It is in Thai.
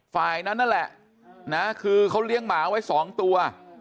ฝ่ายนั้นนั่นแหละนะคือเขาเลี้ยงหมาไว้๒ตัว